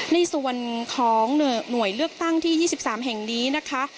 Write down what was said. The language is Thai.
ในส่วนของหน่วยเลือกตั้งที่๒๓แห่งนี้นะคะ